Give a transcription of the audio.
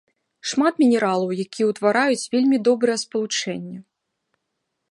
Шмат мінералаў, якія ўтвараюць вельмі добрае спалучэнне.